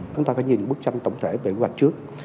chúng ta phải nhìn bức tranh tổng thể về quỹ đất trước